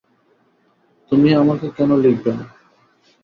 তুমি আমাকে কেন লিখবে না?